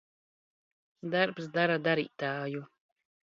Darbs dara dar?t?ju.